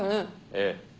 ええ。